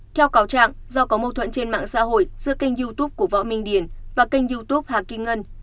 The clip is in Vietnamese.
theo cáo trạng do có mâu thuẫn trên mạng xã hội giữa kênh youtube của võ minh điền và kênh youtube hà kim ngân